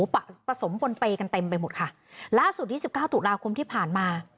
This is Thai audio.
ปะผสมบนเปย์กันเต็มไปหมดค่ะล่าสุดยี่สิบเก้าตุลาคมที่ผ่านมา